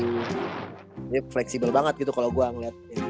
ini fleksibel banget gitu kalau gue ngeliat ini